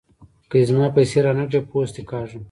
که دې زما پيسې را نه کړې؛ پوست دې کاږم.